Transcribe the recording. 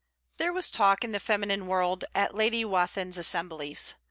There was talk in the feminine world, at Lady Wathin's assemblies.